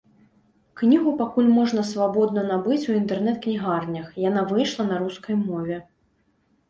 Кнігу пакуль можна свабодна набыць у інтэрнэт-кнігарнях, яна выйшла на рускай мове.